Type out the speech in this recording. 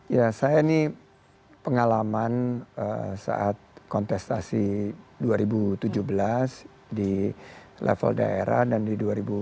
ya saya ini pengalaman saat kontestasi dua ribu tujuh belas di level daerah dan di dua ribu sembilan belas